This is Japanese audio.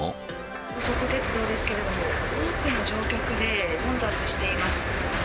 高速鉄道ですけれども、多くの乗客で混雑しています。